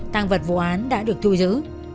tàng vật vụ án đã được thu giữ